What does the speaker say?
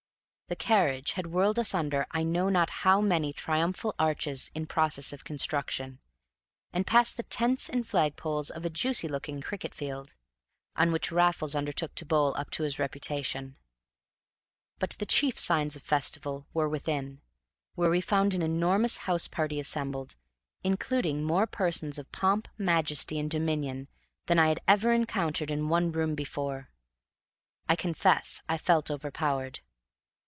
The carriage had whirled us under I know not how many triumphal arches in process of construction, and past the tents and flag poles of a juicy looking cricket field, on which Raffles undertook to bowl up to his reputation. But the chief signs of festival were within, where we found an enormous house party assembled, including more persons of pomp, majesty, and dominion than I had ever encountered in one room before. I confess I felt overpowered.